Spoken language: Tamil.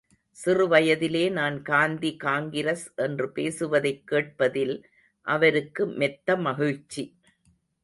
சிறு வயதிலே நான் காந்தி காங்கிரஸ் என்று பேசுவதைக் கேட்பதில் அவருக்கு மெத்தமகிழ்ச்சி.